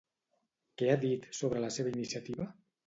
Què ha dit sobre la seva iniciativa?